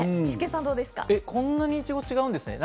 こんなに、いちごって違うんですね。